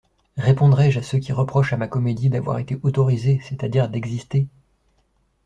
Répondrai-je à ceux qui reprochent à ma comédie d'avoir été autorisée, c'est-à-dire d'exister ?